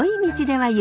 はい。